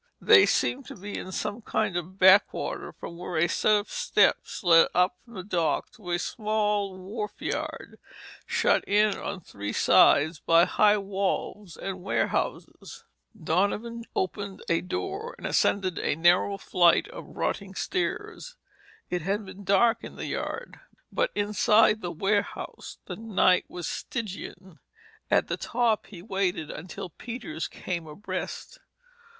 They seemed to be in some kind of backwater from where a set of steps led up from the dock to a small wharfyard, shut in on three sides by high walls and warehouses. Donovan shouldered open a door and ascended a narrow flight of rotting stairs. It had been dark in the yard, but inside the warehouse the night was Stygian. At the top he waited until Peters came abreast.